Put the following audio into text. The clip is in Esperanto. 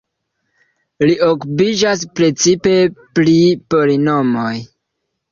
Li okupiĝas precipe pri polinomoj.